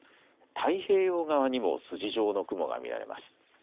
太平洋側にも筋状の雲が見られます。